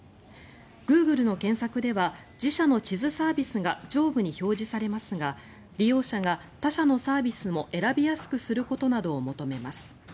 グーグルの検索では自社の地図サービスが上部に表示されますが利用者が他社のサービスも選びやすくすることなども求めます。